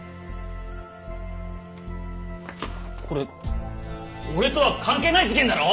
これ俺とは関係ない事件だろ！？